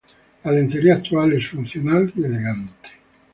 La lencería actual es funcional y elegante.